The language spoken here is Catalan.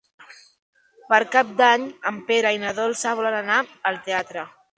Per Cap d'Any en Pere i na Dolça volen anar al teatre.